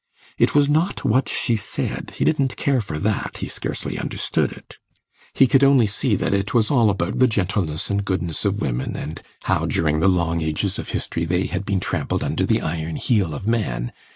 It was not what she said; he didn't care for that, he scarcely understood it; he could only see that it was all about the gentleness and goodness of women, and how, during the long ages of history, they had been trampled under the iron heel of man.